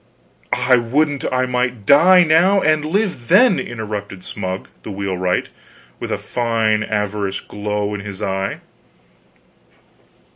"I would't I might die now and live then!" interrupted Smug, the wheelwright, with a fine avaricious glow in his eye.